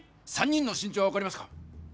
３人の身長は分かりますか？